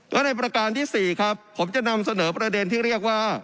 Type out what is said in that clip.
และในประการที่๔ครับผมจะนำเสนอประเด็นที่เรียกว่า